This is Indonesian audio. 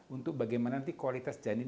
untuk bagaimana nanti kualitas janin